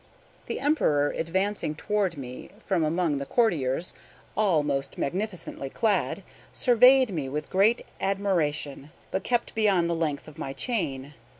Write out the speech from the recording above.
The Emperor, advancing toward me from among his courtiers, all most magnificently clad, surveyed me with great admiration, but kept beyond the length of my chain.